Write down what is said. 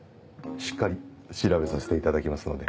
しっかり調べさせていただきますので。